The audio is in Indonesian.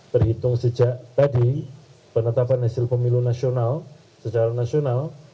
terhitung sejak tadi penetapan hasil pemilu nasional secara nasional